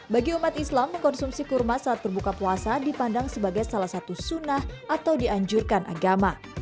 bagi umat islam mengkonsumsi kurma saat berbuka puasa dipandang sebagai salah satu sunnah atau dianjurkan agama